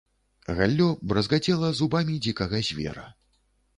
Галлё бразгацела зубамі дзікага звера.